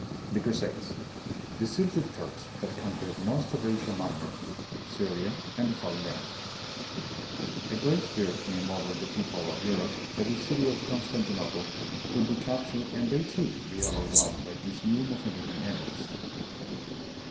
The Crusades. The Seljuk Turks had conquered most of Asia Minor, Syria, and the Holy Land. A great fear came over the people of Europe that the city of Constan tinople would be captured and they, too, be overwhelmed by these new Mohammedan enemies.